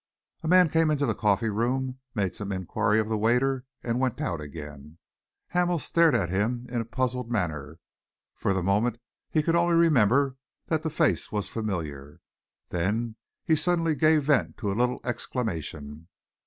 A man came into the coffee room, made some enquiry of the waiter and went out again. Hamel stared at him in a puzzled manner. For the moment he could only remember that the face was familiar. Then he suddenly gave vent to a little exclamation.